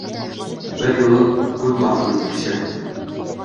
Бер юлы күҙ баҫымын тикшерттем.